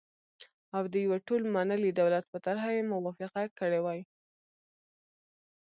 او د يوه ټول منلي دولت په طرحه یې موافقه کړې وای،